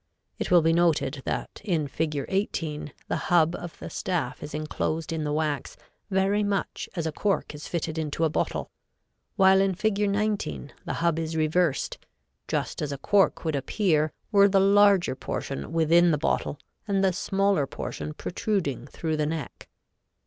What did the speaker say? It will be noted that in Fig. 18 the hub of the staff is enclosed in the wax very much as a cork is fitted into a bottle, while in Fig. 19 the hub is reversed, just as a cork would appear were the larger portion within the bottle and the smaller portion protruding through the neck.